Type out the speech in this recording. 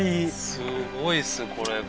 すごいっすこれ。